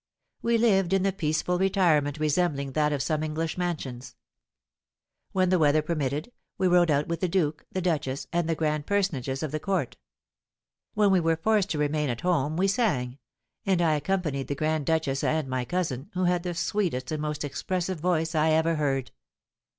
We lived in the peaceful retirement resembling that of some English mansions. When the weather permitted we rode out with the duke, the duchess, and the grand personages of the court. When we were forced to remain at home we sang, and I accompanied the grand duchess and my cousin, who had the sweetest and most expressive voice I ever heard.